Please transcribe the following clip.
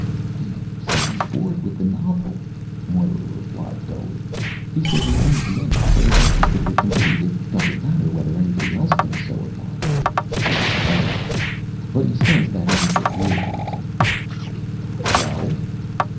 "He says he's bored with the novel," Moira replied dully. "He says he knows the ending, so it's artistically complete; it doesn't matter whether anybody else thinks so or not." She paused. "But he says that isn't the real reason." "Well?"